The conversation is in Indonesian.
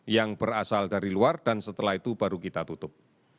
yang berasal dari luar dan setelah itu baru kita tutup